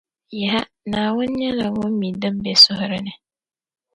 Yaha! Naawuni nyɛla Ŋun mi din be suhiri ni